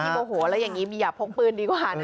พี่โบโหแล้วอย่างงี้มีหยาบพงศ์ปืนดีกว่าน่ะ